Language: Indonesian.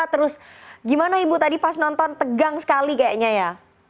terus gimana ibu tadi pas nonton tegang sekali kayaknya ya